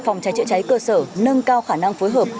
phòng cháy chữa cháy cơ sở nâng cao khả năng phối hợp